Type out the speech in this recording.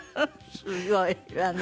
すごいわね。